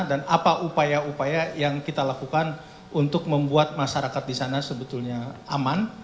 dan apa upaya upaya yang kita lakukan untuk membuat masyarakat di sana sebetulnya aman